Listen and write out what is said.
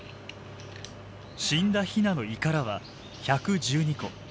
死んだヒナの胃からは１１２個。